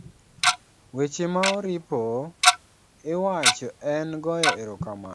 weche ma oripo iwach en goyo erokamano,